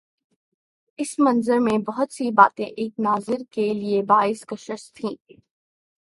اس منظر میں بہت سی باتیں ایک ناظر کے لیے باعث کشش تھیں۔